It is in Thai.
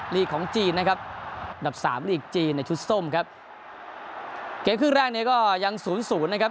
ลีกของจีนนะครับดับสามลีกจีนในชุดส้มครับเกมครึ่งแรกเนี่ยก็ยังศูนย์ศูนย์นะครับ